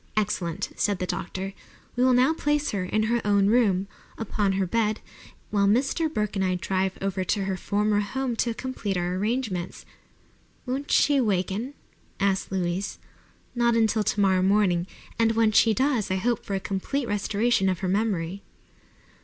"Excellent!" said the doctor. "We will now place her in her own room, upon her bed, while Mr. Burke and I drive over to her former home to complete our arrangements." "Won't she waken?" asked Louise. "Not until tomorrow morning, and when she does I hope for a complete restoration of her memory."